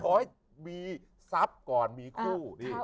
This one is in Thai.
ขอให้มีทรัพย์ก่อนมีคู่